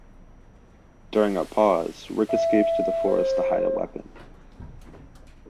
During a pause, Rick escapes to the forest to hide a weapon.